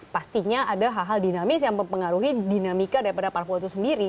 pastinya ada hal hal dinamis yang mempengaruhi dinamika daripada parpol itu sendiri